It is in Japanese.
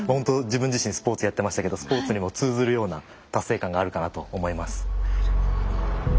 自分自身スポーツやってましたけどスポーツにも通ずるような達成感があるかなと思います。